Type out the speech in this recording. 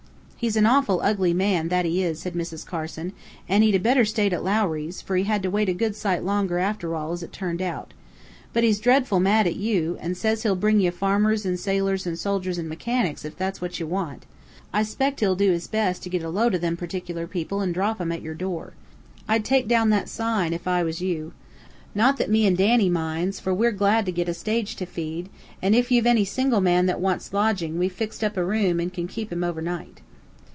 "He's an awful ugly man, that he is," said Mrs. Carson, "an' he'd better 'a' stayed at Lowry's, fur he had to wait a good sight longer, after all, as it turned out. But he's dreadful mad at you, an' says he'll bring ye farmers, an' soldiers, and sailors, an' mechanics, if that's what ye want. I 'spect he'll do his best to git a load of them particular people an' drop 'em at yer door. I'd take down that sign, ef I was you. Not that me an' Danny minds, fur we're glad to git a stage to feed, an' ef you've any single man that wants lodgin' we've fixed up a room and kin keep him overnight."